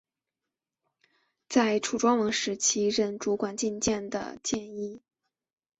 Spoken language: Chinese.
在楚庄王时期任主管进谏的箴尹。